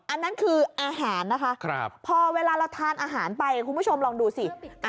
อันนั้นคืออาหารนะคะพอเวลาเราทานอาหารไปคุณผู้ชมลองดูสิ